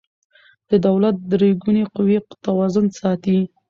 د دولت درې ګونې قوې توازن ساتي